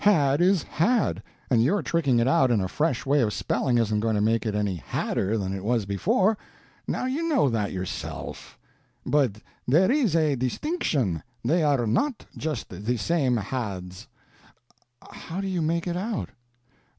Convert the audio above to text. Had is had, and your tricking it out in a fresh way of spelling isn't going to make it any hadder than it was before; now you know that yourself." "But there is a distinction they are not just the same Hads." "How do you make it out?"